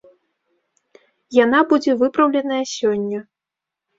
Яна будзе выпраўленая сёння.